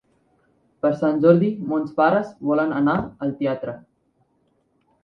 Per Sant Jordi mons pares volen anar al teatre.